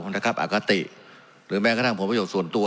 นะครับอคติหรือแม้กระทั่งผลประโยชน์ส่วนตัว